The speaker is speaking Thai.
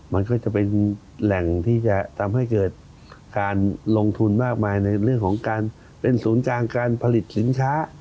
มันก็จะเป็นแหล่งที่จะทำให้เกิดการลงทุนมากมายในเรื่องของการเป็นศูนย์กลางการผลิตสินค้า